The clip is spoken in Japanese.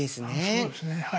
そうですねはい。